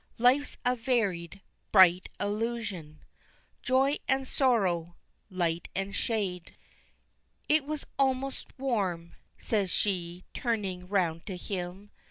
"Life's a varied, bright illusion, Joy and sorrow light and shade." "It was almost warm," says she, turning round to him.